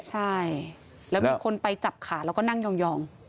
ใช่แล้วมีคนไปจับขาแล้วก็นั่งยอง